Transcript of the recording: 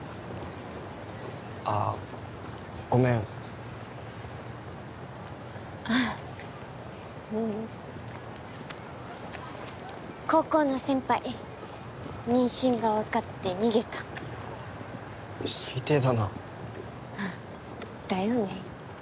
あごめんあっううん高校の先輩妊娠が分かって逃げた最低だなだよね